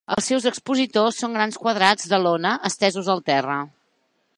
Els seus expositors són grans quadrats de lona estesos al terra.